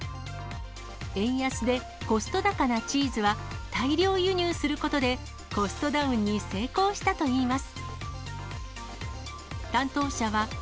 円安でコスト高なチーズは、大量輸入することで、コストダウンに成功したといいます。